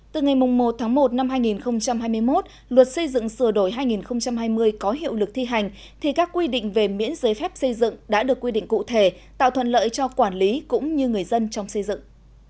từ ngày một tháng một năm hai nghìn hai mươi một luật xây dựng sửa đổi hai nghìn hai mươi có hiệu lực thi hành thì các quy định về miễn giấy phép xây dựng đã được quy định cụ thể tạo thuận lợi cho quản lý cũng như người dân trong xây dựng